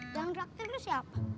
yang raktir lo siapa